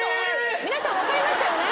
皆さんわかりましたよね？